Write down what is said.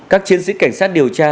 các chiến sĩ cảnh sát điều tra